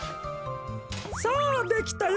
さあできたよ。